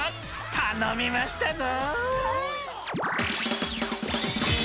［頼みましたぞ！］